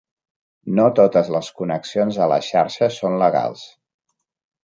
No totes les connexions a la xarxa són legals.